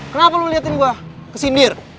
kenapa lo liatin gue ke sindir